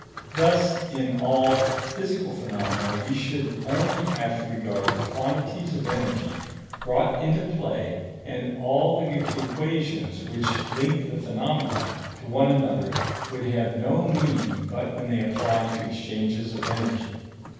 Thus in all physical phenomena we should only have to regard the quantities of energy brought into play, and all the equations which link the phenomena to one another would have no meaning but when they apply to exchanges of energy.